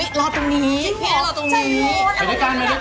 รอตรงนี้พี่แอดรอตรงนี้